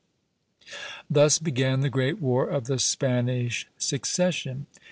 Thus began the great War of the Spanish Succession.